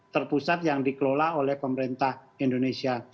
terpusat yang dikelola oleh pemerintah indonesia